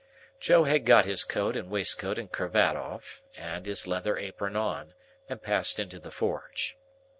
Joe had got his coat and waistcoat and cravat off, and his leather apron on, and passed into the forge.